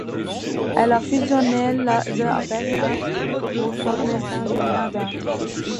Elle a fusionné le avec Intres pour former Saint-Julien-d'Intres.